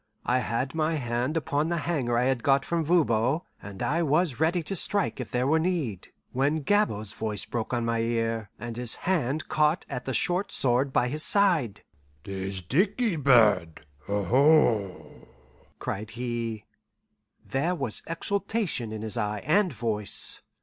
I had my hand upon the hanger I had got from Voban, and I was ready to strike if there were need, when Gabord's voice broke on my ear, and his hand caught at the short sword by his side. "'Tis dickey bird, aho!" cried he. There was exultation in his eye and voice.